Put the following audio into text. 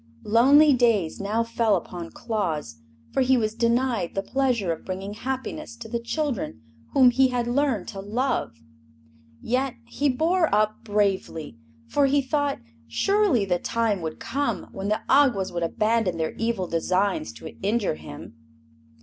Lonely days now fell upon Claus, for he was denied the pleasure of bringing happiness to the children whom he had learned to love. Yet he bore up bravely, for he thought surely the time would come when the Awgwas would abandon their evil designs to injure him.